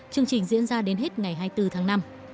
chương trình diễn ra đến hết ngày hai mươi bốn tháng năm